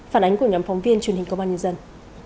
phản ánh của nhóm phóng viên truyền hình công an nhân dân